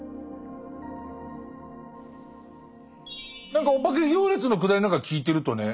何かお化け行列のくだりなんか聞いてるとね